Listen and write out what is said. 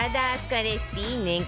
レシピ年間